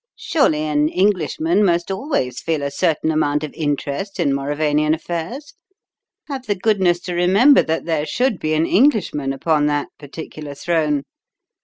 "Surely an Englishman must always feel a certain amount of interest in Mauravian affairs. Have the goodness to remember that there should be an Englishman upon that particular throne.